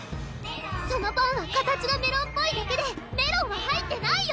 そのパンは形がメロンっぽいだけでメロンは入ってないよ！